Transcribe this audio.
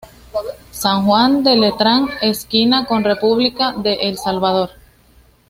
San Juan de Letrán esquina con República de El Salvador.